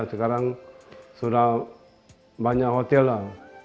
sekarang sudah banyak hotel lah